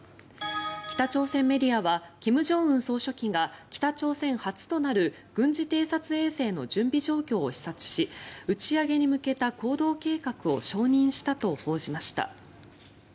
北朝鮮メディアは金正恩総書記が北朝鮮初となる軍事偵察衛星の準備状況を視察し打ち上げに向けた行動計画を承認したと報じました。